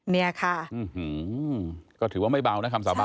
เนี่ยค่ะก็ถือว่าไม่เบานะคำสาบา